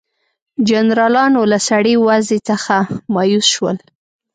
جنرالانو له سړې وضع څخه مایوس شول.